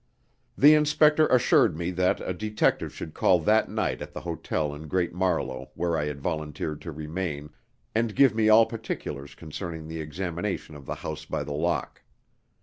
The inspector assured me that a detective should call that night at the hotel in Great Marlow where I had volunteered to remain, and give me all particulars concerning the examination of the House by the Lock.